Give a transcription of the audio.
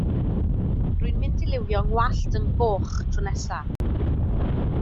Rwy'n mynd i liwio 'ngwallt yn goch tro nesa.